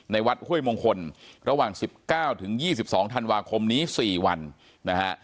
วัดห้วยมงคลระหว่าง๑๙ถึง๒๒ธันวาคมนี้๔วันนะฮะ